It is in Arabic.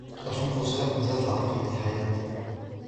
الخنفساء ما زالت على قيد الحياة.